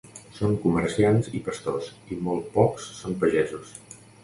Són comerciants i pastors i molt pocs són pagesos.